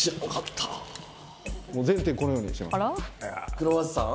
クロワッサン？